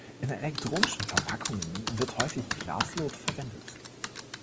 In elektronischen Verpackungen wird häufig Glaslot verwendet.